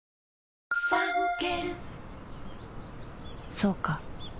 そうか